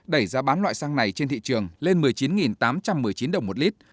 đẩy giá bán loại xăng này trên thị trường lên một mươi chín tám trăm một mươi chín đồng một lít